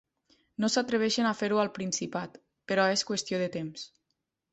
No s’atreveixen a fer-ho al Principat. Però és qüestió de temps.